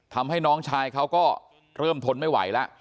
ทำให้น้องชายเขาก็เริ่มทนไม่ไหวแล้ว